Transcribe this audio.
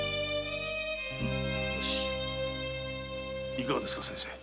いかがですか先生？